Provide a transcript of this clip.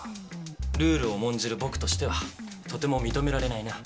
ルールを重んじる僕としてはとても認められないな。